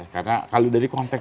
karena kalau dari konteks